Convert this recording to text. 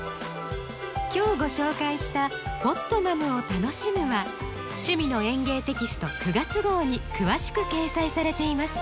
今日ご紹介した「ポットマムを楽しむ」は「趣味の園芸」テキスト９月号に詳しく掲載されています。